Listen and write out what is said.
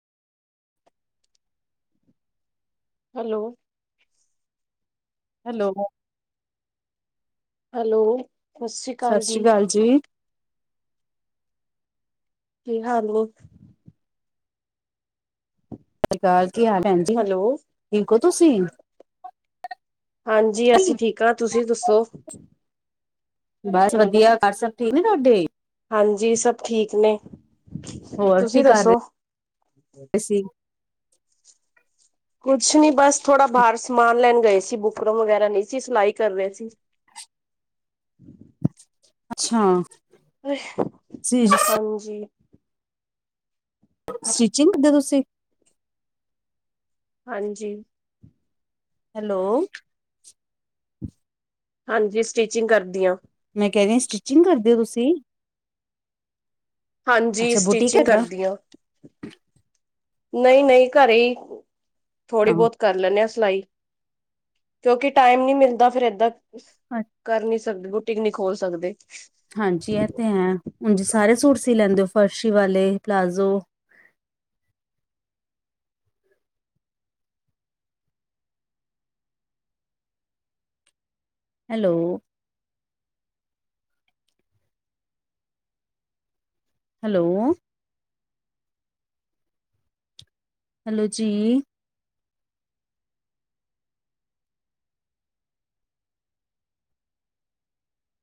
Hello! Hello! Hello, ਸਤਿ ਸ੍ਰੀ ਸਤਿ ਅਕਾਲ ਸ੍ਰੀ ਜੀ! ਸਤਿ ਕੀ, ਹਾਲ ਏ? ਸਤਿ ਸ਼੍ਰੀ ਅਕਾਲ। ਕੀ ਹਾਲ ਭੈਣਜੀ ਹੈਲੋ, ਠੀਕੋ, ਤੁਸੀਂ? ਹਾਂਜੀ। ਅਸੀਂ ਠੀਕ ਹਾਂ। ਤੁਸੀਂ ਦੱਸੋ? ਬਸ ਵਧੀਆ। ਘਰ ਸਭ ਠੀਕ ਨੇ ਤੁਹਾਡੇ? ਹਾਂਜੀ ਸਭ ਠੀਕ ਨੇ। ਹੋਰ ਕੀ ਤੁਸੀ ਕਰ ਦੱਸੋ? ਰਹੇ ਸੀ? ਕੁਛ ਨੀ, ਬਸ ਥੋੜਾ ਬਾਹਰ ਸਮਾਨ ਲੈਣ ਗਏ ਸੀ ਬੁਕਰਮ ਵਗੈਰਾ ਨਹੀਂ ਸੀ, ਸਲਾਈ ਕਰ ਰਹੇ ਸੀ। ਅੱਛਾ। ਸਟਿਚਿੰਗ ਹਾਂਜੀ। ਸਟਿਚਿੰਗ ਕਰਦੇ ਤੁਸੀਂ? ਹਾਂਜੀ। ਹੈਲੋ! ਹਾਂਜੀ ਸਟਿਚਿੰਗ ਕਰਦੀ ਆਂ। ਕਹਿਦੀ ਸਟਿਚਿੰਗ ਕਰਦੇ ਹੋ, ਤੁਸੀਂ। ਹਾਂਜੀ ਅੱਛਾ, ਬੁਟੀਕ ਹੈ ਸਟੀਚਿੰਗ ਤੁਹਾਡਾ? ਕਰਦੀ ਆਂ। ਨਹੀਂ ਨਹੀਂ ਘਰੇ ਹੀ ਥੋੜ੍ਹੀ ਹਾਂ। ਬਹੁਤ ਕਰ ਲੈਂਦੇ ਆਂ ਸਿਲਾਈ। ਕਿਉਂਕਿ ਟਾਈਮ ਨੀ ਮਿਲਦਾ ਫੇਰ ਏਦਾਂ, ਗਰਮੀ ਚ ਸਕਦੇ ਬੂਟੀਕ ਨਹੀਂ ਖੋਲ ਸਕਦੇ। ਹਾਂਜੀ। ਐ, ਤੇ, ਹੈ। ਉਂਝ ਸਾਰੇ ਸੂਟ ਸੀ ਲੈਂਦੇ ਹੋ? ਫਰਸ਼ੀ ਵਾਲੇ, ਪਲਾਜ਼ੋ। ਹੈਲੋ! ਹੈਲੋ! ਹੈਲੋ ਜੀ!